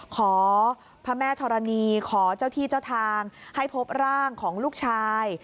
ขอพระแม่ธรณีขอเจ้าที่เจ้าทางให้พบร่างของลูกชาย